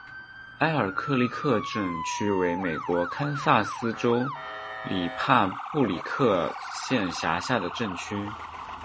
埃尔克里克镇区为美国堪萨斯州里帕布利克县辖下的镇区。